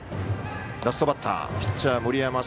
ラストバッター、ピッチャー森山。